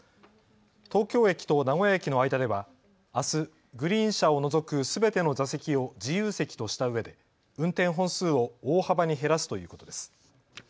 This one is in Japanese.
東京駅と名古屋駅の間ではあすグリーン車を除くすべての座席を自由席としたうえで運転本数を大幅に減らすということです。